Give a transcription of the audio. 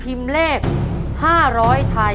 คุณยายแจ้วเลือกตอบจังหวัดนครราชสีมานะครับ